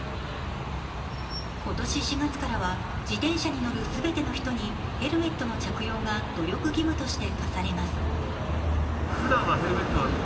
今年４月からは自転車に乗る全ての人にヘルメットの着用が努力義務として課されます。